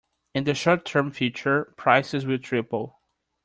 In the short term future, prices will triple.